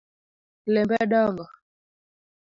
Lembe dongo